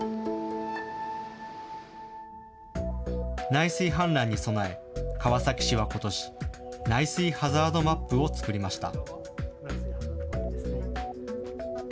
内水氾濫に備え、川崎市はことし、内水ハザードマップを作りました。